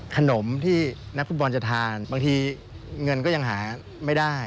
ขนมที่นักฟุตบอลจะทานบางทีเงินก็ยังหาไม่ได้